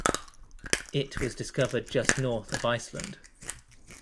It was discovered just north of Iceland.